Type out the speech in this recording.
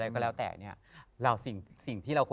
พี่ยังไม่ได้เลิกแต่พี่ยังไม่ได้เลิก